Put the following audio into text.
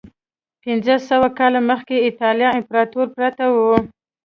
پنځه سوه کاله مخکې اینکا امپراتورۍ پرته وه.